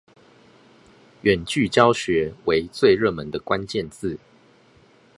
遠距教學為最熱門的關鍵字